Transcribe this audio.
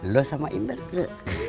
lu sama indra